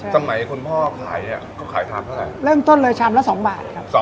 สมัยคุณพ่อขายเนี่ยก็ขายทาบเท่าไหร่เริ่มต้นเลยชามละ๒บาทครับ